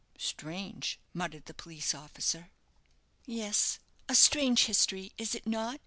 "Strange!" muttered the police officer. "Yes; a strange history, is it not?"